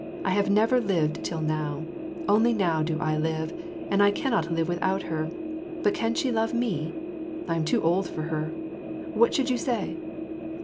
I have never lived till now. Only now do I live, and I cannot live without her. Bat can she love me ? I am too old for her. What should you say